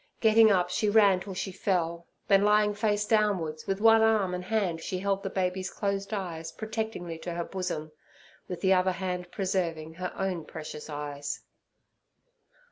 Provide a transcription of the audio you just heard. Getting up, she ran till she fell; then, lying face downwards, with one arm and hand she held the baby's closed eyes protectingly to her bosom, with the other hand preserving her own precious eyes.